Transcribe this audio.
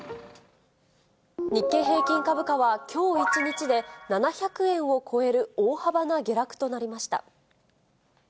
日経平均株価は、きょう一日で７００円を超える大幅な下落となりました。